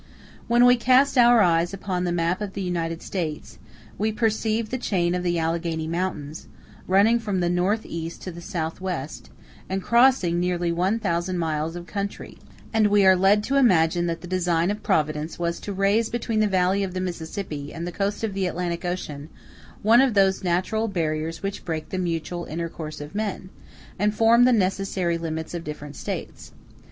When we cast our eyes upon the map of the United States, we perceive the chain of the Alleghany Mountains, running from the northeast to the southwest, and crossing nearly one thousand miles of country; and we are led to imagine that the design of Providence was to raise between the valley of the Mississippi and the coast of the Atlantic Ocean one of those natural barriers which break the mutual intercourse of men, and form the necessary limits of different States.